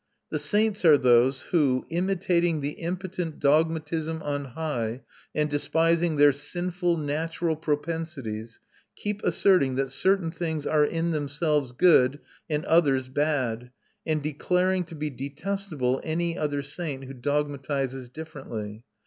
The saints are those who, imitating the impotent dogmatism on high, and despising their sinful natural propensities, keep asserting that certain things are in themselves good and others bad, and declaring to be detestable any other saint who dogmatises differently.